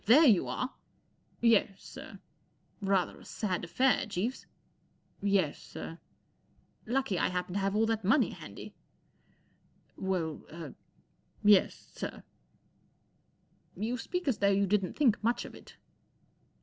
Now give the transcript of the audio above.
" Oh, there you are ! Jf ia Yes, sir." " F ther a sad affair, Jeeves/' " Yes, sir/' M Lucky I happened to have all that money handy/ 1 " Well—er—yes, sir/' II You speak as though you didn't think much of it.'